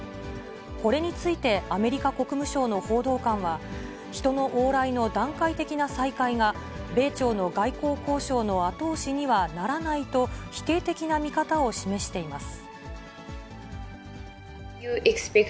これについてアメリカ国務省の報道官は、人の往来の段階的な再開が、米朝の外交交渉の後押しにはならないと、否定的な見方を示しています。